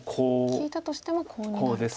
利いたとしてもコウになると。